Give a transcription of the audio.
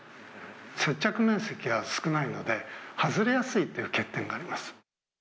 接着面積が少ないので、外れやすいという欠点があります。